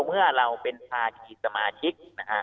เมื่อเราเป็นภาคีสมาชิก